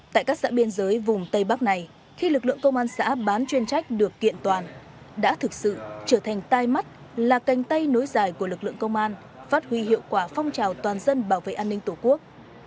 tại các xã biên giới vùng tây bắc này khi lực lượng công an xã bán chuyên trách được kiện toàn đã thực sự trở thành tai mắt là canh tay nối dài của lực lượng công an phát huy hiệu quả phong trào toàn dân bảo vệ an ninh tổ quốc